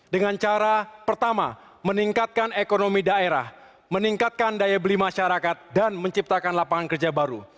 dengan cara pertama meningkatkan ekonomi daerah meningkatkan daya beli masyarakat dan menciptakan lapangan kerja baru